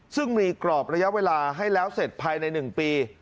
ซึ่งมีกรอบระยะเวลาให้แล้วเสร็จภายใน๑ปี